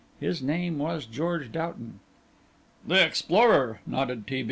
His name was George Doughton." "The explorer," nodded T.